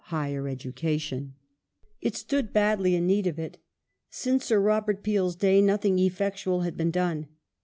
218, 219. t 1873] HIGHER EDUCATION 395 It stood badly in need of it. Since Sir Robert Peel's day nothing effectual had been done.